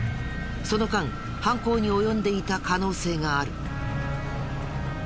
その間犯行に及んでいた可能性がある。